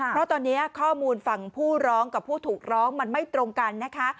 เพราะตอนนี้ข้อมูลฝั่งผู้ร้องกับผู้ถูกร้องมันไม่ตรงกันนะคะ